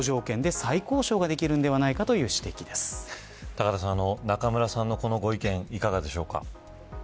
高田さん、中村さんのこのご意見いかがでしょう